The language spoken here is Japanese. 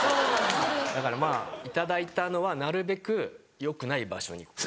だからまぁ頂いたのはなるべくよくない場所に。